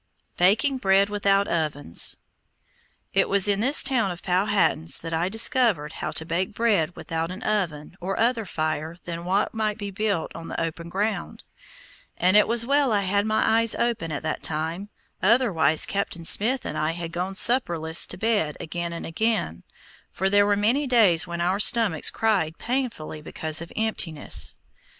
BAKING BREAD WITHOUT OVENS It was in this town of Powhatan's that I discovered how to bake bread without an oven or other fire than what might be built on the open ground, and it was well I had my eyes open at that time, otherwise Captain Smith and I had gone supperless to bed again and again, for there were many days when our stomachs cried painfully because of emptiness.